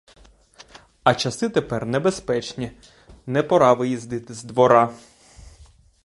А часи тепер небезпечні, — не пора виїздити з двора.